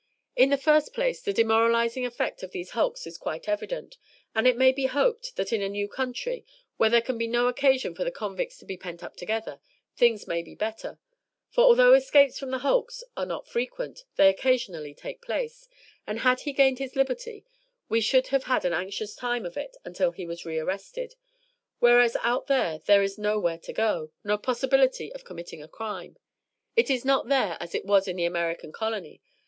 "In the first place, the demoralizing effect of these hulks is quite evident, and it may be hoped that in a new country, where there can be no occasion for the convicts to be pent up together, things may be better; for although escapes from the hulks are not frequent, they occasionally take place, and had he gained his liberty we should have had an anxious time of it until he was re arrested, whereas out there there is nowhere to go to, no possibility of committing a crime. It is not there as it was in the American colony.